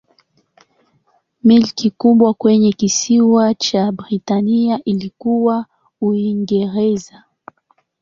Milki kubwa kwenye kisiwa cha Britania ilikuwa Uingereza.